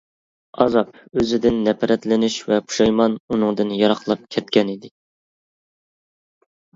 ئازاب، ئۆزىدىن نەپرەتلىنىش ۋە پۇشايمان ئۇنىڭدىن يىراقلاپ كەتكەنىدى.